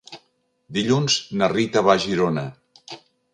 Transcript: Dilluns na Rita va a Girona.